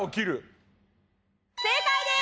正解です！